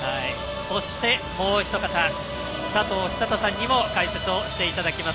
そしてもうお一方佐藤寿人さんにも解説をしていただきます。